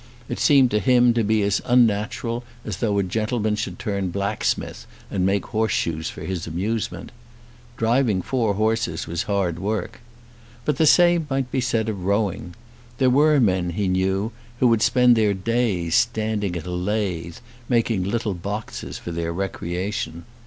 It seemed to him to be as unnatural as though a gentleman should turn blacksmith and make horseshoes for his amusement. Driving four horses was hard work. But the same might be said of rowing. There were men, he knew, who would spend their days standing at a lathe, making little boxes for their recreation.